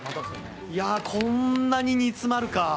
こんなに煮詰まるか。